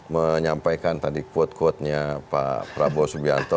menyampaikan tadi quote quotenya pak prabowo subianto